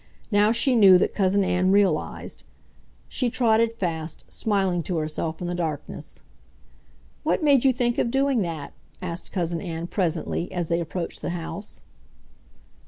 Now she knew that Cousin Ann realized.... She trotted fast, smiling to herself in the darkness. "What made you think of doing that?" asked Cousin Ann presently, as they approached the house.